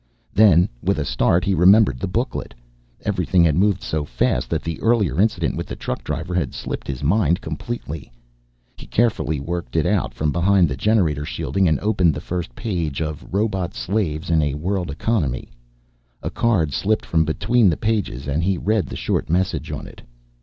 Then, with a start, he remembered the booklet. Everything had moved so fast that the earlier incident with the truck driver had slipped his mind completely. He carefully worked it out from behind the generator shielding and opened the first page of Robot Slaves in a World Economy. A card slipped from between the pages and he read the short message on it.